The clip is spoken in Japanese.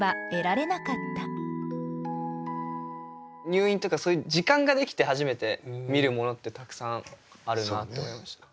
入院とかそういう時間ができて初めて見るものってたくさんあるなって思いました。